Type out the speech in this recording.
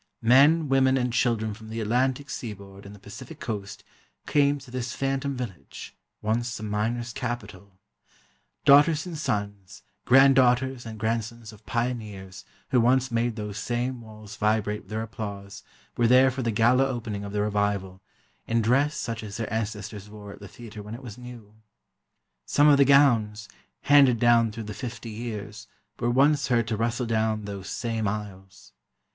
Men, women and children from the Atlantic Seaboard and the Pacific Coast came to this "phantom" village, once the miners' capital. Daughters and sons, granddaughters and grandsons of pioneers who once made those same walls vibrate with their applause were there for the gala opening of the revival, in dress such as their ancestors wore at the theatre when it was new. Some of the gowns, handed down through the fifty years, were once heard to rustle down those same aisles.